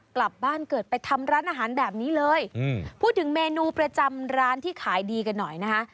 กลับบ้านเกิดไปทำร้านอาหารแบบนี้เลยอืมพูดถึงเมนูประจำร้านที่ขายดีกันหน่อยนะคะ